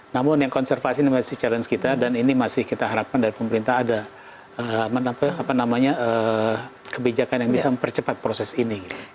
namun yang konservasi ini masih challenge kita dan ini masih kita harapkan dari pemerintah ada kebijakan yang bisa mempercepat proses ini